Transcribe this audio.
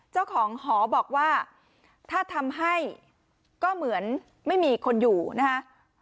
เจ้าของหอบอกว่าถ้าทำให้ก็เหมือนไม่มีคนอยู่นะฮะ